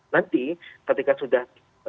nanti ketika sudah